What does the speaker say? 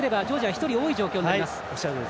１人多い状態になります。